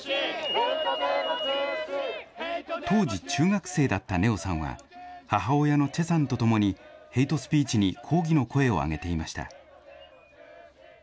当時、中学生だった寧生さんは、母親のチェさんと共に、ヘイトスピーチに抗議の声を上げていました。